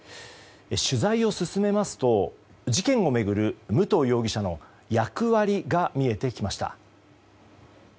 取材を進めますと事件を巡る武藤容疑者の役割が見えてきました。